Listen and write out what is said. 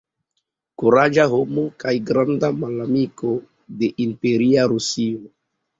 Kuraĝa homo kaj granda malamiko de imperia Rusio.